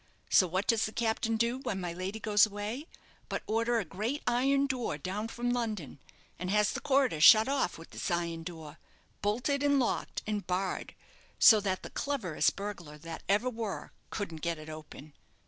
So what does the captain do when my lady goes away, but order a great iron door down from London, and has the corridor shut off with this iron door, bolted, and locked, and barred, so that the cleverest burglar that ever were couldn't get it open."